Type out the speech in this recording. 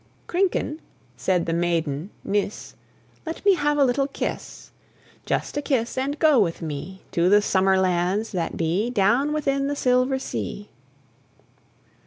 "Krinken," said the maiden Nis, "Let me have a little kiss, Just a kiss, and go with me To the summer lands that be Down within the silver sea."